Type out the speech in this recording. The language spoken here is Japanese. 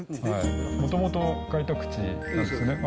もともと、開拓地なんですね。